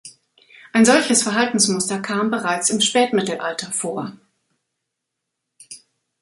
Ein solches Verhaltensmuster kam bereits im Spätmittelalter vor.